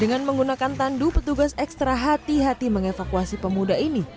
dengan menggunakan tandu petugas ekstra hati hati mengevakuasi pemuda ini